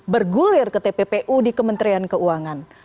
bergulir ke tppu di kementerian keuangan